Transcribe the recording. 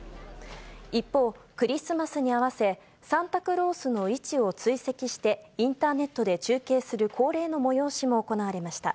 一方、クリスマスに合わせ、サンタクロースの位置を追跡して、インターネットで中継する恒例の催しも行われました。